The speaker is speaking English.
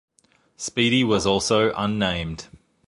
Speedy was also unnamed.